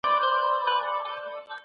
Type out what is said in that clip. هغه هره شپه د فولکلور کیسې لولي.